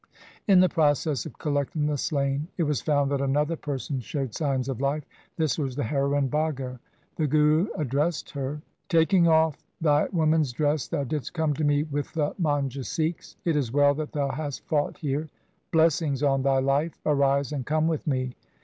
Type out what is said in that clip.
In the process of collecting the slain it was found that another person showed signs of life. This was the heroine Bhago. The Guru addressed her : MUKTSAR LIFE OF GURU GOBIND SINGH 215 ' Taking off thy woman's dress thou didst come to me with the Manjha Sikhs. It is well that thou hast fought here. Blessings on thy life ! Arise and come with me.'